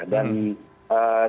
saya sendiri yang terdapat